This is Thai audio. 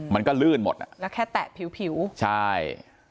มันก็ลื่นหมดอ่ะแล้วแค่แตะผิวใช่